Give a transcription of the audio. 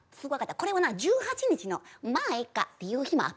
これはな１８日の「まあええかっていう日もあってもいい」。